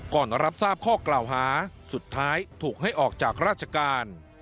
รับทราบข้อกล่าวหาสุดท้ายถูกให้ออกจากราชการ